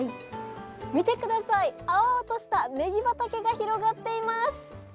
見てください、青々としたねぎ畑が広がっています。